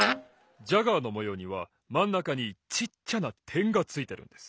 ジャガーのもようにはまんなかにちっちゃなてんがついてるんです！